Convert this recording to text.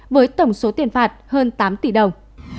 với tổng số tiền phạt hơn tám tỷ đồng